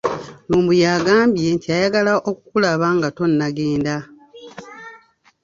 Lumbuye agambye nti ayagala okukulaba nga tonnagenda.